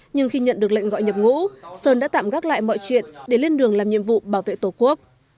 nhưng khi nhận được lệnh gọi nhập ngũ sơn đã tạm gác lại mọi chuyện để lên đường làm nhiệm vụ bảo vệ tổ quốc